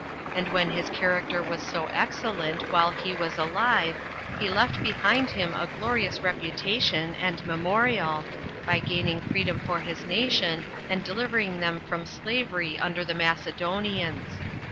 And when his character was so excellent [while he was alive], he left behind him a glorious reputation and memorial, by gaining freedom for his nation, and delivering them from slavery under the Macedonians.